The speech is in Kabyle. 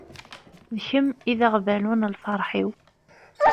D kemm i d aɣbalu n lferḥ-iw.